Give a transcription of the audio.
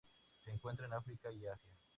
Se encuentra en África y Asia.